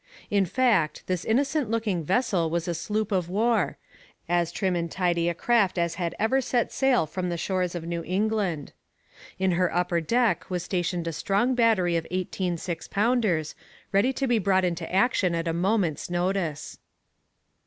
In fact, this innocent looking vessel was a sloop of war as trim and tidy a craft as had ever set sail from the shores of New England. On her upper deck was stationed a strong battery of eighteen six pounders, ready to be brought into action at a moment's notice.